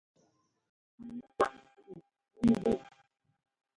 Pʉʉnɛ́ kwaʼ shúnɛ ɛ́nzʉ́ʼ.